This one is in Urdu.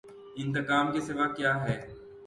انتقام کے سوا کیا ہے۔